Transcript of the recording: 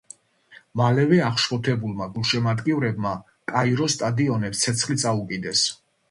მალევე აღშფოთებულმა გულშემატკივრებმა კაიროს სტადიონებს ცეცხლი წაუკიდეს.